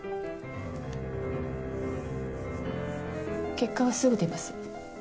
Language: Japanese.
結果はすぐ出ます。